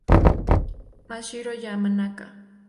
Masahiro Yamanaka